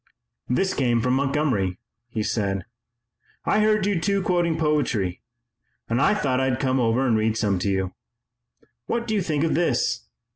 "This came from Montgomery," he said. "I heard you two quoting poetry, and I thought I'd come over and read some to you. What do you think of this?